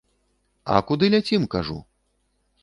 А куды ляцім, кажу?